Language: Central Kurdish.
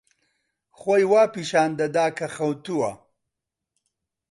خۆی وا پیشان دەدا کە خەوتووە.